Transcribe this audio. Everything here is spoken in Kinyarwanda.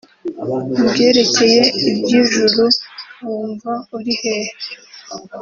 mu byerekeye iby’ijuru wumva uri hehe